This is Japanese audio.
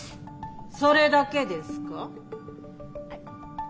それだけですか？